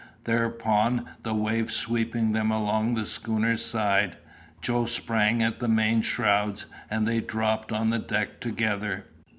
Thereupon the wave sweeping them along the schooner's side, Joe sprang at the main shrouds, and they dropped on the deck together.